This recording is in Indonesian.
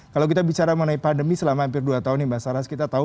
kalau kita bicara mengenai pandemi selama hampir dua tahun nih mbak sarah